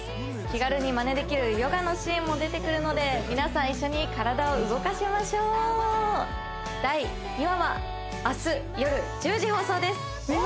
気軽にまねできるヨガのシーンも出てくるので皆さん一緒に体を動かしましょう第２話は明日夜１０時放送です